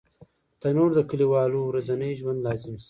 تنور د کلیوالو ورځني ژوند لازم شی دی